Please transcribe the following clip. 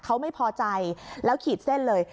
เขาไม่พอใจแล้วขีดเส้นเลย